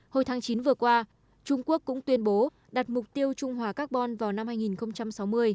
hồi tháng chín vừa qua trung quốc cũng tuyên bố đặt mục tiêu trung hòa carbon vào năm hai nghìn sáu mươi